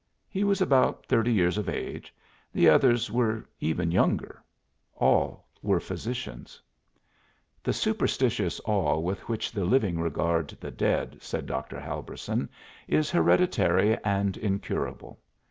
He was about thirty years of age; the others were even younger; all were physicians. "The superstitious awe with which the living regard the dead," said Dr. Helberson, "is hereditary and incurable.